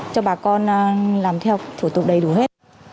cho bà con làm theo thủ tục đầy đủ hết